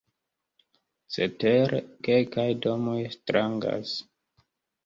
Cetere, kelkaj domoj strangas.